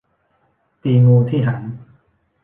ตีงูที่หาง